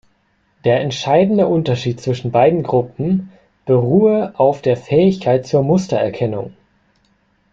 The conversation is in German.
Der entscheidende Unterschied zwischen beiden Gruppen beruhe auf der Fähigkeit zur Mustererkennung.